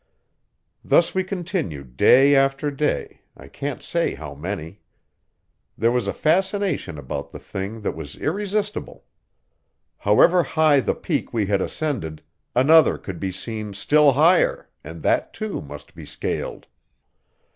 Thus we continued day after day, I can't say how many. There was a fascination about the thing that was irresistible. However high the peak we had ascended, another could be seen still higher, and that, too, must be scaled.